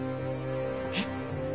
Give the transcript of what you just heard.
えっ？